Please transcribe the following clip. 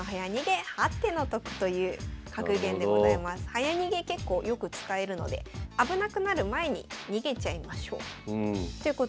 早逃げ結構よく使えるので危なくなる前に逃げちゃいましょうということで。